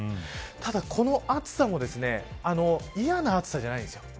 ただ、この暑さも嫌な暑さじゃないんです。